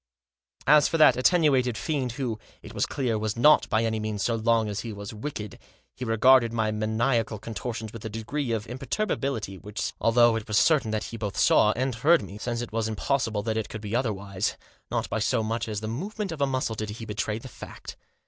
As for that attenuated fiend, who, it was clear, was not by any means so long as he was wicked, he regarded my maniacal contortions with a degree of Digitized by THE TRIO RETURN. 223 imperturbability which seemed to me to be the climax of inhumanity. Although it was certain that he both saw and heard me, since it was impossible that it could be otherwise, not by so much as the movement of a muscle did he betray the fact.